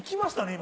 今。